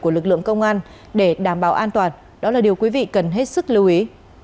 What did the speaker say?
của lực lượng công an để đảm bảo an toàn đó là điều quý vị cần hết sức lưu ý